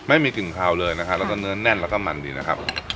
ไม่มีกลิ่นคาวเลยนะฮะแล้วก็เนื้อแน่นแล้วก็มันดีนะครับ